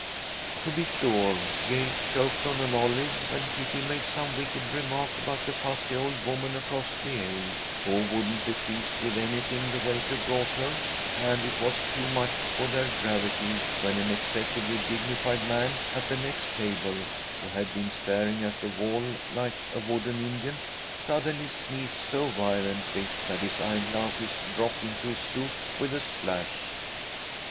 To be sure, Gay choked on an olive when Kitty made some wicked remark about the fussy old woman across the aisle, who wouldn't be pleased with anything the waiter brought her; and it was too much for their gravity when an excessively dignified man at the next table, who had been staring at the wall like a wooden Indian, suddenly sneezed so violently that his eye glasses dropped into his soup with a splash.